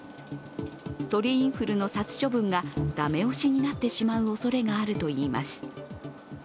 鳥インフルの殺処分がだめ押しになってしまうおそれがあるといいます。